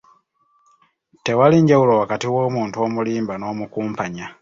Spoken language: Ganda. Tewali njawulo wakati w'omuntu omulimba n'omukumpanya.